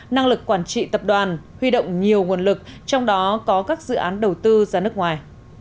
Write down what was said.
năng lực quản trị tập đoàn huy động nhiều nguồn lực trong đó có các dự án đầu tư ra nước ngoài